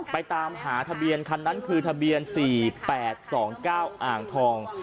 ตามหาทะเบียนคันนั้นคือทะเบียน๔๘๒๙อ่างทอง